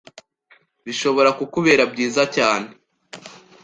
bishobora kukubera byiza cyane